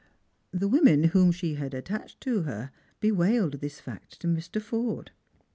The women whom she had attached to her bewailed this fact to Mr. Forde.